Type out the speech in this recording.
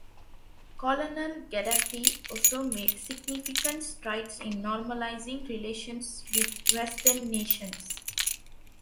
Colonel Gaddafi also made significant strides in normalizing relations with western nations.